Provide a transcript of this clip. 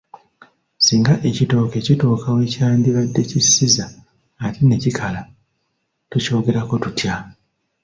Singa ekitooke kituuka we kyandibadde kissiza ate ne kikala, tukyogerako tutya?